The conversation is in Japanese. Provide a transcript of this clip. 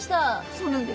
そうなんです。